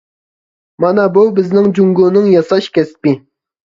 مانا بۇ بىزنىڭ جۇڭگونىڭ ياساش كەسپى.